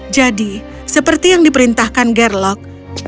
jadi seperti yang diperintahkan gerlok